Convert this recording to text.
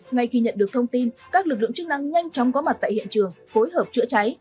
ngay khi nhận được thông tin các lực lượng chức năng nhanh chóng có mặt tại hiện trường phối hợp chữa cháy